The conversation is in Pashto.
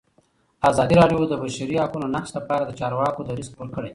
ازادي راډیو د د بشري حقونو نقض لپاره د چارواکو دریځ خپور کړی.